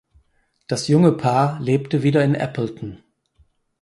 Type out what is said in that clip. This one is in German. Das junge Paar lebte wieder in Appleton.